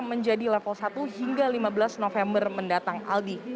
menjadi level satu hingga lima belas november mendatang aldi